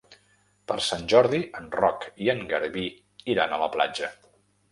Per Sant Jordi en Roc i en Garbí iran a la platja.